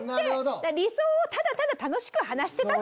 理想をただただ楽しく話してた。